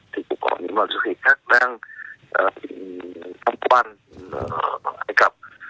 thì cũng có những loài du khách khác đang tâm quan vào ai cập